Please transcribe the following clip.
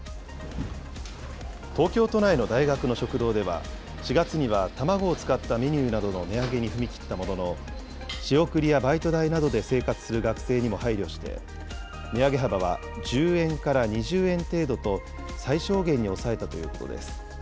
東京都内の大学の食堂では、４月には卵を使ったメニューなどの値上げに踏み切ったものの、仕送りやバイト代などで生活する学生にも配慮して、値上げ幅は１０円から２０円程度と最小限に抑えたということです。